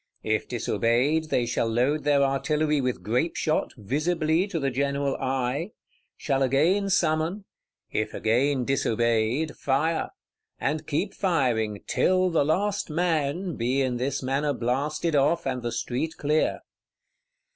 If disobeyed, they shall load their artillery with grape shot, visibly to the general eye; shall again summon; if again disobeyed, fire,—and keep firing "till the last man" be in this manner blasted off, and the street clear.